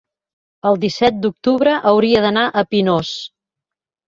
el disset d'octubre hauria d'anar a Pinós.